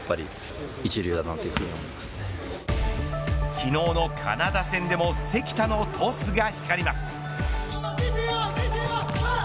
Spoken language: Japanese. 昨日のカナダ戦でも関田のトスが光ります。